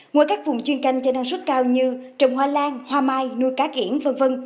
ngoài các vùng chuyên canh cho năng suất cao như trồng hoa lan hoa mai nuôi cá kiển v v